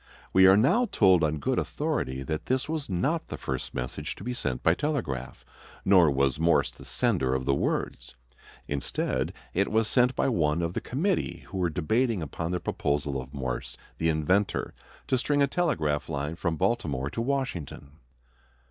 We are now told on good authority that this was not the first message to be sent by telegraph, nor was Morse the sender of the words. Instead, it was sent by one of the committee who were debating upon the proposal of Morse, the inventor, to string a telegraph line from Baltimore to Washington.